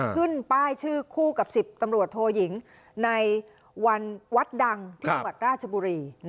ขึ้นป้ายชื่อคู่กับ๑๐ตำรวจโทยิงในวันวัดดังที่จังหวัดราชบุรี